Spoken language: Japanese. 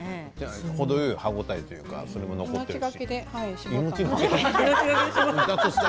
程よい歯応えというか残っているし。